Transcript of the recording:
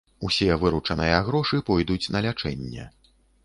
Усе выручаныя грошы пойдуць на лячэнне.